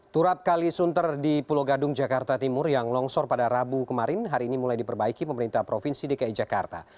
turap kali sunter di pulau gadung jakarta timur yang longsor pada rabu kemarin hari ini mulai diperbaiki pemerintah provinsi dki jakarta